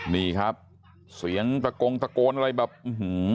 นี่ครับเสียงตะโกงตะโกนอะไรแบบอื้อหือ